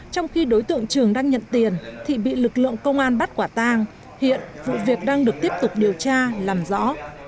trong khi đối tượng trường đang nhận tiền thì bị lực lượng công an bắt quả tang hiện vụ việc đang được tiếp tục điều tra làm rõ